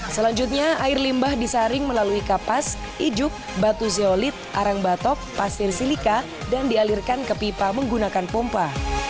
selanjutnya air limbah disaring melalui kapas ijuk batu zeolit arang batok pasir silika dan dialirkan ke pipa menggunakan pompa